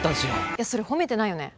いやそれ褒めてないよね。